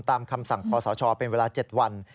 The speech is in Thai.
ตามคำสั่งพสเป็นเวลา๗วัน